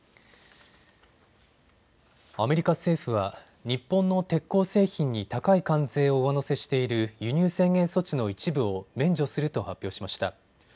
アメリカ政府は日本の鉄鋼製品に高い関税を上乗せしている輸入制限措置の一部を免除すると発表しました。